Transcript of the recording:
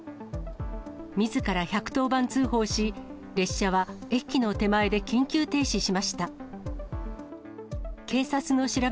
みずから１１０番通報し、列車は駅の手前で緊急停止しました。